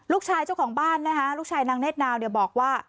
ลูกชายเจ้าของบ้านลูกชายนางเนธนาวบอกว่า